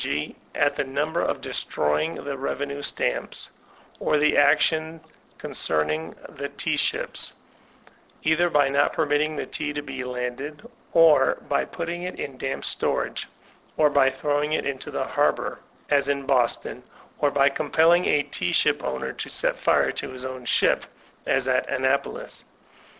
g., in the matter of destroying the revenue stamps, or the action concerning the tea ships, either by not permitting the tea to be landed, or by putting it in damp storage, or by throwing it into the harbor, as in Boston, or by compelling a tea ship owner to set fire to his own ship, as at Annapolis.